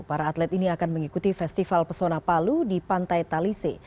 para atlet ini akan mengikuti festival pesona palu di pantai talise